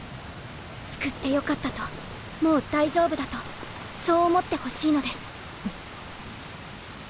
救ってよかったともう大丈夫だとそう思ってほしいのです。